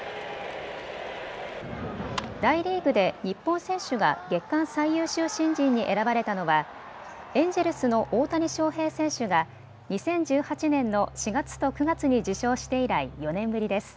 大リーグで日本選手が月間最優秀新人に選ばれたのはエンジェルスの大谷翔平選手が２０１８年の４月と９月に受賞して以来、４年ぶりです。